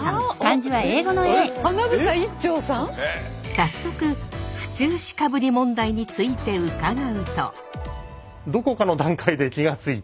早速府中市かぶり問題について伺うと。